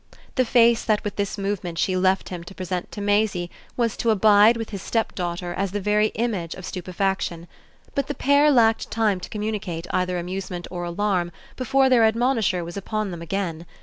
The face that with this movement she left him to present to Maisie was to abide with his stepdaughter as the very image of stupefaction; but the pair lacked time to communicate either amusement or alarm before their admonisher was upon them again.